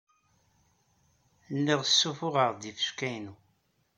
Lliɣ ssuffuɣeɣ-d ifecka-inu.